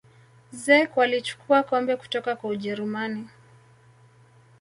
czech walichukua kombe kutoka kwa ujerumani